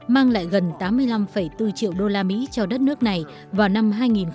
mang lại gần tám mươi năm bốn triệu đô la mỹ cho đất nước này vào năm hai nghìn hai mươi